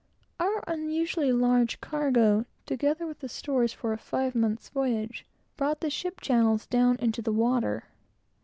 Our unusually large cargo, together with the stores for a five months' voyage, brought the ship channels down into the water.